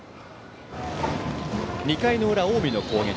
２回の裏、近江の攻撃。